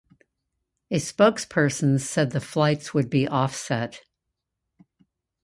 A spokesperson said the flights would be offset.